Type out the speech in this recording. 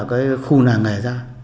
cái khu làng nghề ra